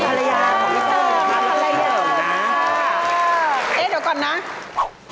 ธรรยาสวัสดีครับ